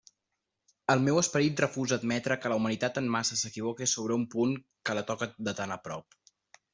El meu esperit refusa admetre que la humanitat en massa s'equivoque sobre un punt que la toca de tan a prop.